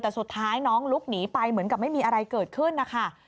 แต่สุดท้ายน้องลุกหนีไปเหมือนกับไม่มีอะไรเกิดขึ้นนะคะ